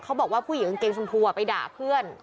เค้าบอกว่าผู้หญิงเกงสุนทัวร์ไปด่าเพื่อน